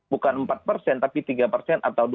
bukan empat persen tapi tiga persen atau dua